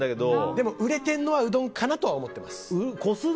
でも売れてるのはうどんかなと思ってます。